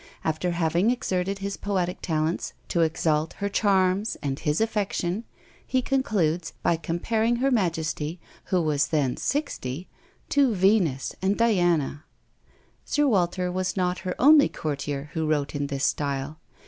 After having exerted his poetic talents to exalt her charms and his affection, he concludes, by comparing her majesty, who was then sixty, to Venus and Diana. Sir Walter was not her only courtier who wrote in this style.